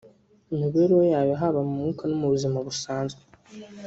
imibereho yawe haba mu mwuka no mu buzima busanzwe